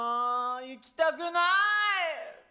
行きたくない！